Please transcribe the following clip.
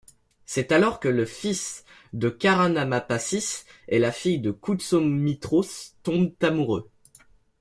C'est alors que le fils de Karanampasis et la fille de Koutsomitros tombent amoureux.